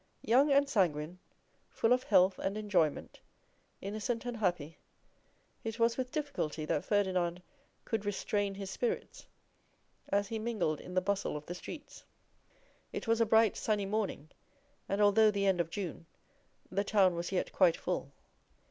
Young and sanguine, full of health and enjoyment, innocent and happy, it was with difficulty that Ferdinand could restrain his spirits as he mingled in the bustle of the streets. It was a bright sunny morning, and although the end of June, the town was yet quite full.